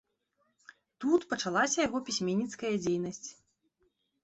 Тут пачалася яго пісьменніцкая дзейнасць.